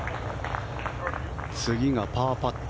次がパーパット